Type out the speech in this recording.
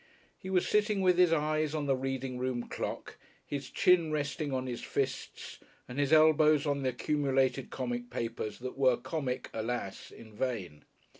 He was sitting with his eyes on the reading room clock, his chin resting on his fists and his elbows on the accumulated comic papers that were comic alas! in vain!